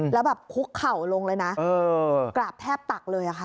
แล้วแบบคุกเข่าลงเลยนะกราบแทบตักเลยค่ะ